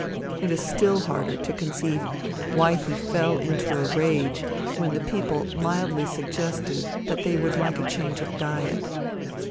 It is still harder to conceive why he fell into a rage when the people mildly suggested that they would like a change of diet.